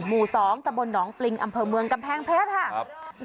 หมู่๒ตะบลหนองปริงอำเภอเมืองกำแพงเพชรค่ะ